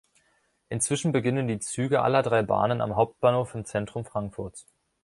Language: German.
Inzwischen beginnen die Züge aller drei Bahnen am Hauptbahnhof im Zentrum Frankfurts.